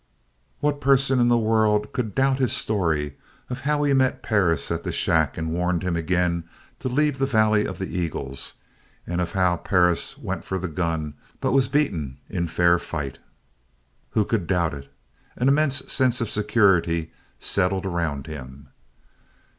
What person in the world could doubt his story of how he met Perris at the shack and warned him again to leave the Valley of the Eagles and of how Perris went for the gun but was beaten in fair fight? Who could doubt it? An immense sense of security settled around him.